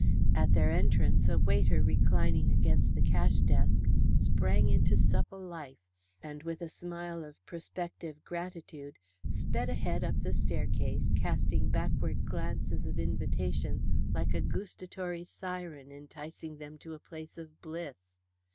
At their entrance, a waiter reclining against the cash desk sprang into supple life, and with a smile of prospective gratitude sped ahead up the staircase, casting backward glances of invitation like a gustatory siren enticing them to a place of bliss.